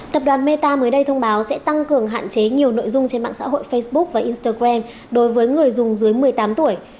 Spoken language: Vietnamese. tập đoàn meta mới đây thông báo sẽ tăng cường hạn chế nhiều nội dung trên mạng xã hội facebook và instagram đối với người dùng dưới một mươi tám tuổi